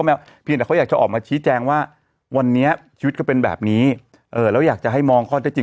หรืออยากจะออกมาชี้แจงว่าวันนี้วิทยุเป็นแบบนี้แล้วอยากจะให้มองคลิป